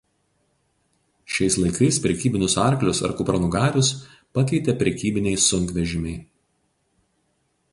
Šiais laikais prekybinius arklius ar kupranugarius pakeitė prekybiniai sunkvežimiai.